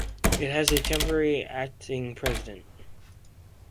It has a temporary acting president.